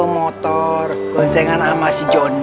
motor goncengan sama si johnny